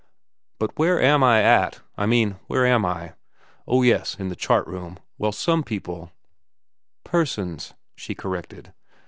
But where am I at—I mean, where am I? Oh, yes, in the chart room. Well, some people—" "Persons," she corrected.